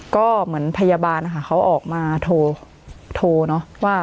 ก็เหมือนพยาบาลนะคะเขาออกมาโทรเนอะว่า